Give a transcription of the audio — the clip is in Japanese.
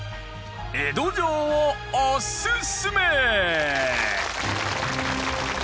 江戸城をおすすめ！